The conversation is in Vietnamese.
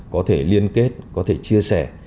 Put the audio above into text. có thể liên kết có thể chia sẻ